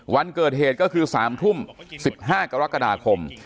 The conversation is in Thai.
วันเกิดเหตุก็คือ๓ทุ่ม๑๕กรกฎาคม